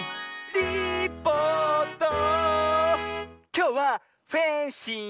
きょうはフェンシング！